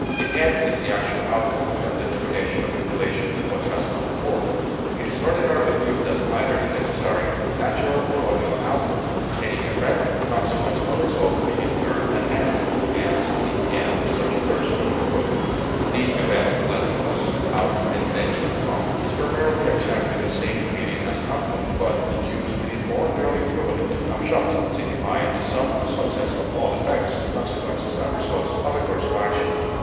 The end is the actual outcome without determination of its relation to what has gone before; it is ordinarily viewed as either the necessary, natural, or logical outcome, any effect, consequence, or result being termed an end; as, the end of such a course must be ruin. The event (L. e, out, and venio, come) is primarily exactly the same in meaning as outcome; but in use it is more nearly equivalent to upshot signifying the sum and substance of all effects, consequences, and results of a course of action.